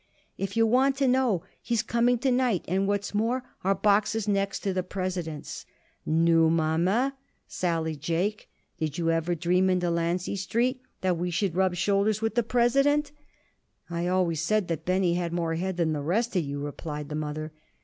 If you want to know, he is coming to night; and what's more, our box is next to the President's." "Nu, Mammeh," sallied Jake, "did you ever dream in Delancey Street that we should rub sleeves with the President?" "I always said that Benny had more head than the rest of you," replied the mother.